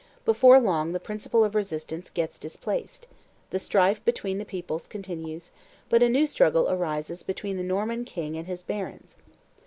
Before long the principle of resistance gets displaced; the strife between the peoples continues; but a new struggle arises between the Norman king and his barons.